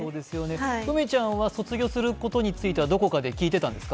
梅ちゃんは卒業することについては、どこかで聞いていたんですか？